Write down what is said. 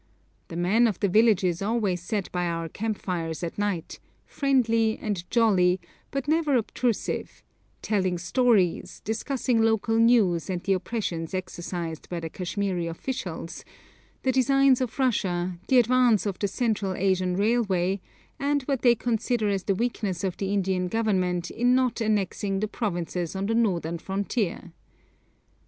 The men of the villages always sat by our camp fires at night, friendly and jolly, but never obtrusive, telling stories, discussing local news and the oppressions exercised by the Kashmiri officials, the designs of Russia, the advance of the Central Asian Railway, and what they consider as the weakness of the Indian Government in not annexing the provinces of the northern frontier.